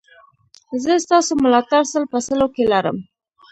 زه ستاسو ملاتړ سل په سلو کې لرم